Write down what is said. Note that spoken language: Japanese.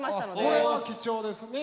これは貴重ですね。